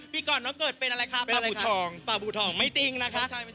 พี่ก่อนน้องเกิดเป็นอะไรคะป่าบูทองไม่จริงนะคะ